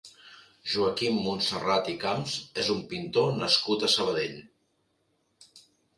Joaquim Montserrat i Camps és un pintor nascut a Sabadell.